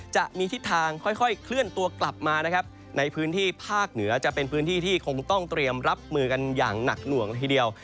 จะมีทิศทางค่อยเคลื่อนตัวกลับมานะครับในพื้นที่ภาคเหนือจะเป็นพื้นที่ที่คงต้องเตรียมรับมือกันอย่างหนักหน่วงละทีเดียว